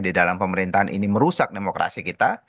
di dalam pemerintahan ini merusak demokrasi kita